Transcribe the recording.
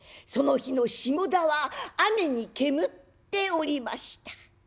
その日の下田は雨に煙っておりました。